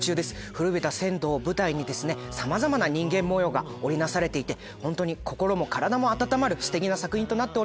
古びた銭湯を舞台にさまざまな人間模様が織り成されていてホントに心も体も温まるすてきな作品となっております。